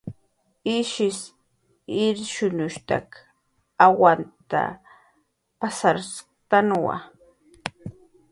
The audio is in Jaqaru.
Ishis irshunushstak awanta pasarktanwa